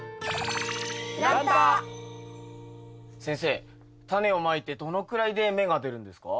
先生タネをまいてどのくらいで芽が出るんですか？